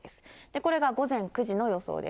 これが午前９時の予想です。